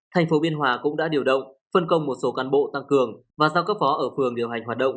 tp hcm cũng đã điều động phân công một số cán bộ tăng cường và giao cấp phó ở phường điều hành hoạt động